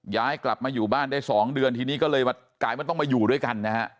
ย้ายกลับมาอยู่บ้านได้๒เดือนทีนี้ก็เลยมากลายมันต้องมาอยู่ด้วยกันนะฮะ